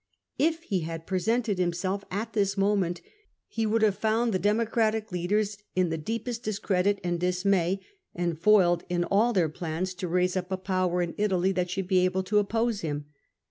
If he had presented himself at this moment, he would have found the Democratic leaders in the deepest discredit and dismay, and foiled in all their plans to raise up a power in Italy that should be able to oppose him.